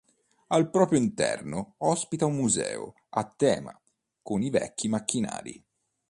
Al proprio interno ospita un museo a tema, con i vecchi macchinari.